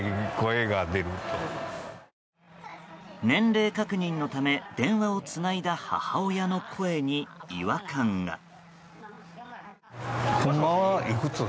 年齢確認のため電話をつないだ母親の声に違和感が。